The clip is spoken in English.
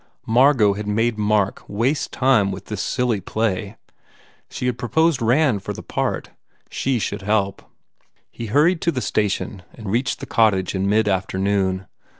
Mar got had made Mark waste time with this silly play. She had proposed Rand for the part. She should help. He hurried to the station and reached the cottage in mid afternoon.